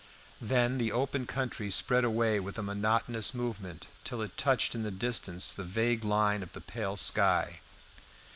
Then the open country spread away with a monotonous movement till it touched in the distance the vague line of the pale sky.